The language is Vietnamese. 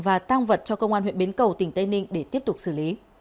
và tăng vật cho công an huyện bến cầu tỉnh tây ninh để tiếp tục xử lý